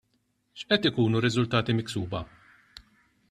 X'qed ikunu r-riżultati miksuba?